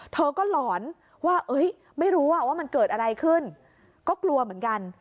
เธอก็หลอนว่าไม่รู้ว่ามันเกิดอะไรขึ้นก็กลัวเหมือนกัน